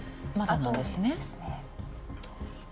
あとでですね